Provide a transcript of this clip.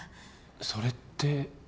それって。